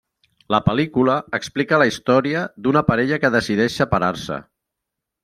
La pel·lícula explica la història d'una parella que decideix separar-se.